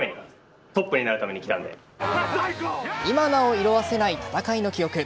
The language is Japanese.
今なお色あせない戦いの記憶。